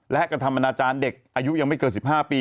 และกระทำอนาจารย์เด็กอายุยังไม่เกิน๑๕ปี